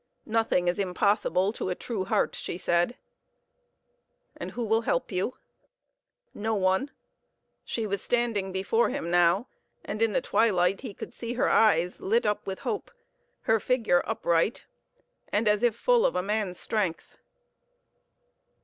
"Nothing is impossible to a true heart," she said. "And who will help you?" "No one." She was standing before him now, and in the twilight he could see her eyes lit up with hope, her figure upright, and as if full of a man's strength.